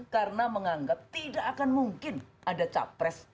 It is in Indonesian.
karena menganggap tidak akan mungkin ada capres